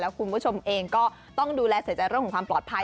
คุณผู้ชมเองก็ต้องดูแลเสียใจเรื่องของความปลอดภัย